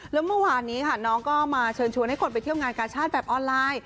แล้วเมื่อวานนี้ค่ะน้องก็มาเชิญชวนให้คนไปเที่ยวงานกาชาติแบบออนไลน์